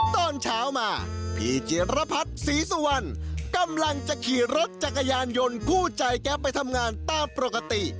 ตอนเช้ามาพี่จิรพัฒน์ศรีสุวรรณกำลังจะขี่รถจักรยานยนต์คู่ใจแก๊ปไปทำงานตามปกติ